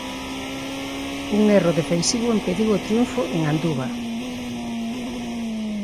Un erro defensivo impediu o triunfo en Anduva.